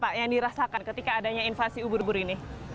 apa yang dirasakan ketika adanya invasi ubur ubur ini